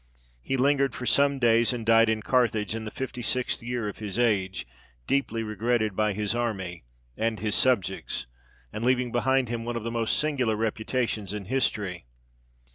He lingered for some days, and died in Carthage in the fifty sixth year of his age, deeply regretted by his army and his subjects, and leaving behind him one of the most singular reputations in history.